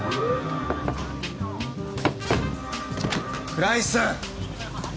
倉石さん！